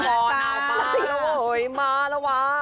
มาแล้วเฮ้ยมาแล้วว้า